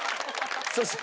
そして。